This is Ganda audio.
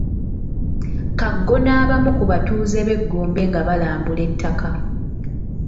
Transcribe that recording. Kaggo n’abamu ku batuuze b’e Gombe nga balambula ettaka.